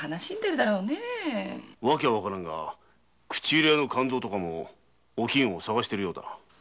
理由は分からんが口入れ屋の勘造もおきんを捜してるようだ。